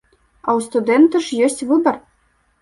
А ў студэнта ж ёсць выбар.